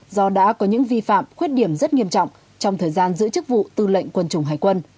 do đã có những vi phạm khuyết điểm rất nghiêm trọng trong thời gian giữ chức vụ tư lệnh quân chủng hải quân